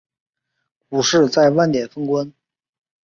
股市在万点封关